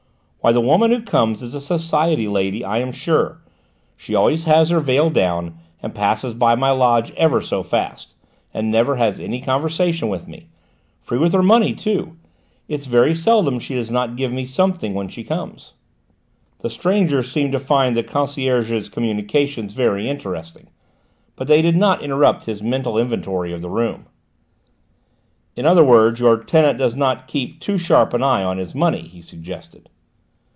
Why, the woman who comes is a society lady, I am sure: she always has her veil down and passes by my lodge ever so fast, and never has any conversation with me; free with her money, too: it's very seldom she does not give me something when she comes." The stranger seemed to find the concierge's communications very interesting, but they did not interrupt his mental inventory of the room. "In other words, your tenant does not keep too sharp an eye on his money?" he suggested.